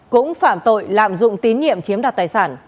cũng phạm tội lạm dụng tín nhiệm chiếm đoạt tài sản